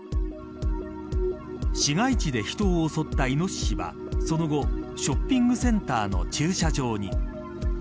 市街地で人を襲ったイノシシはその後ショッピングセンターの駐車場に。